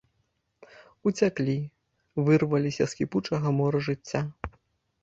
Уцяклі, вырваліся з кіпучага мора жыцця.